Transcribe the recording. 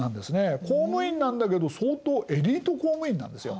公務員なんだけど相当エリート公務員なんですよ。